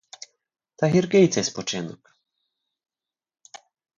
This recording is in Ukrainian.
Та гіркий цей спочинок!